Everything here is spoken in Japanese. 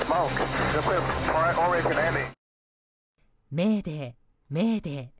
メーデーメーデー。